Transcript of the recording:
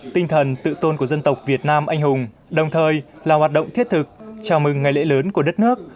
tinh thần tự tôn của dân tộc việt nam anh hùng đồng thời là hoạt động thiết thực chào mừng ngày lễ lớn của đất nước